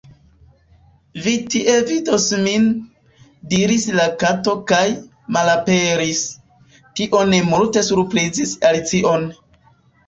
"Vi tie vidos min," diris la Kato kaj—malaperis! Tio ne multe surprizis Alicion.